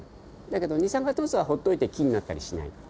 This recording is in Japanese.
だけど二酸化炭素はほっといて木になったりしない。